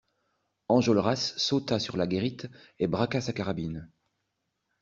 Enjolras sauta sur la guérite et braqua sa carabine.